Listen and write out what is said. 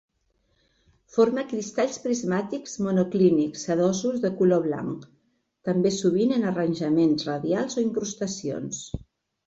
Forma cristalls prismàtics monoclínics sedosos de color blanc, també sovint en arranjaments radials o incrustacions.